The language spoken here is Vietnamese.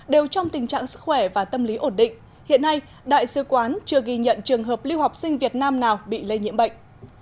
đều trong tình trạng sức khỏe và tâm lý ổn định hiện nay đại sứ quán chưa ghi nhận trường hợp lưu học sinh việt nam nào bị lây nhiễm bệnh